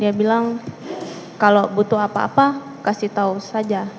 dia bilang kalau butuh apa apa kasih tahu saja